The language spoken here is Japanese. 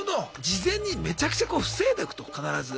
事前にめちゃくちゃこう防いでおくと必ず。